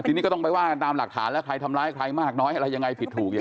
ทีนี้ก็ต้องไปว่ากันตามหลักฐานแล้วใครทำร้ายใครมากน้อยอะไรยังไงผิดถูก